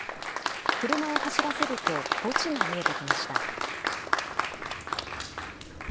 車を走らせると墓地が見えてきました。